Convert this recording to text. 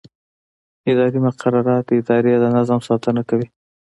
اداري مقررات د ادارې د نظم ساتنه کوي.